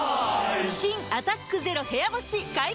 新「アタックＺＥＲＯ部屋干し」解禁‼